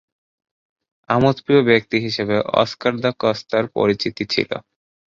আমোদপ্রিয় ব্যক্তি হিসেবে অস্কার দা কস্তা’র পরিচিতি ছিল।